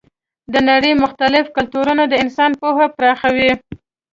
د نړۍ مختلف کلتورونه د انسان پوهه پراخوي.